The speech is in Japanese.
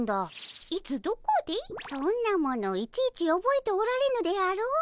そんなものいちいちおぼえておられぬであろう。